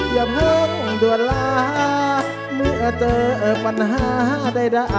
อย่าเพิ่งด่วนลาเมื่อเจอปัญหาใด